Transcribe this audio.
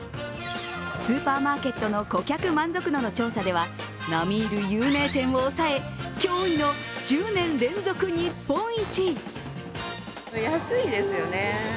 スーパーマーケットの顧客満足度の調査では並みいる有名店を抑え、驚異の１０年連続日本一。